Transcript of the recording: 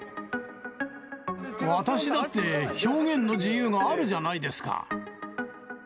私だって表現の自由があるじゃないですか。